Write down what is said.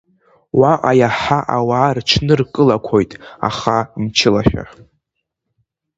Уаҟа иаҳа ауаа рыҽныркылақәоит, аха мчылашәа.